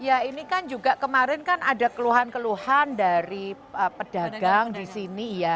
ya ini kan juga kemarin kan ada keluhan keluhan dari pedagang di sini ya